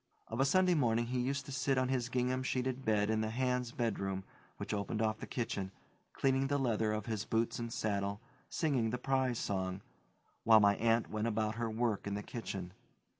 Of a Sunday morning he used to sit on his gingham sheeted bed in the hands' bedroom which opened off the kitchen, cleaning the leather of his boots and saddle, singing the "Prize Song," while my aunt went about her work in the kitchen.